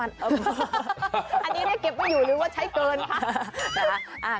อันนี้ถ้าเก็บไม่อยู่หรือว่าใช้เกินคะ